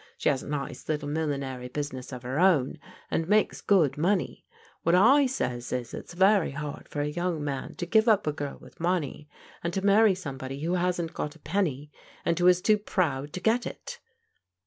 She has a nice little millinery business of her own and makes good money. What I says is, it's very hard for a young man to give up a girl with money, and to marry somebody who hasn't got a penny and who is too proud to get it."